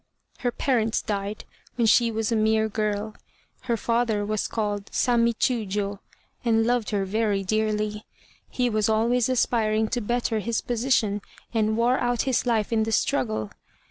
"Her parents died when she was a mere girl. Her father was called Sammi Chiûjiô, and loved her very dearly. He was always aspiring to better his position, and wore out his life in the struggle.